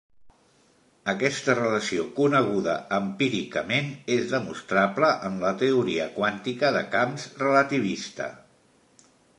Aquesta relació, coneguda empíricament, és demostrable en la teoria quàntica de camps relativista.